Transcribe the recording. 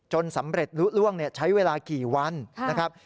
สำเร็จลุล่วงใช้เวลากี่วันนะครับ